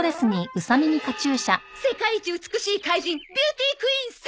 世界一美しい怪人ビューティー・クイーン参上！